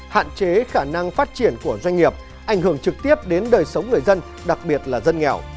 hạn chế khả năng phát triển của doanh nghiệp ảnh hưởng trực tiếp đến đời sống người dân đặc biệt là dân nghèo